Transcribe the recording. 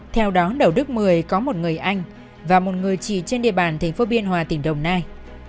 theo đó đậu đức mười có một người anh và một người chỉ trên địa bàn thành phố biên hòa tỉnh đồng nai